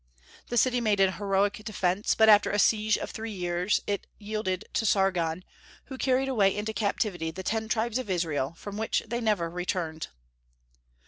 The city made an heroic defence; but after a siege of three years it yielded to Sargon, who carried away into captivity the ten tribes of Israel, from which they never returned.